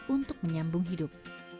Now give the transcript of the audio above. untuk menyambung hidup